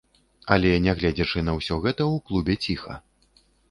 Але, нягледзячы на ўсё гэта, у клубе ціха.